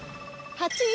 ８位！？